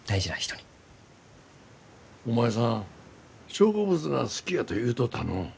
お前さん植物が好きやと言うとったのう。